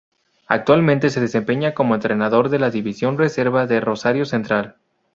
Actualmente se desempeña como entrenador de la división reserva de Rosario Central.